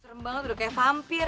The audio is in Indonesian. serem banget udah kayak vampir